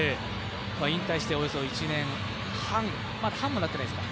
引退しておよそ１年半もなっていないですか？